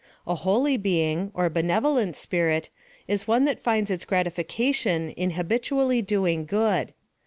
A holy being, or benevolent spirit, is one that finds its gratification in habitually doing good.